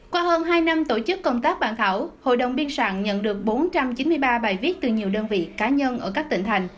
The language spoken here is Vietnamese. qua hơn hai năm tổ chức công tác bản thảo hội đồng biên sản nhận được bốn trăm chín mươi ba bài viết từ nhiều đơn vị cá nhân ở các tỉnh thành